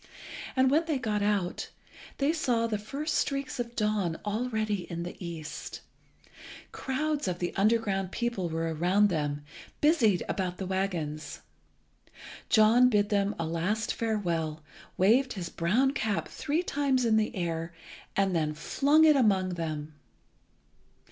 And when they got out, they saw the first streaks of dawn already in the east. Crowds of the underground people were around them, busied about the waggons. John bid them a last farewell, waved his brown cap three times in the air, and then flung it among them.